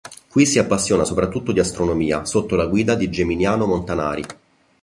Qui si appassiona soprattutto di astronomia, sotto la guida di Geminiano Montanari.